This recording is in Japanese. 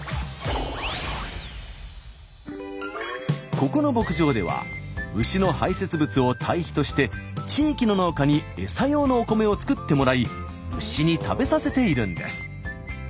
ここの牧場では牛の排せつ物をたい肥として地域の農家に餌用のお米を作ってもらい牛に食べさせているんです。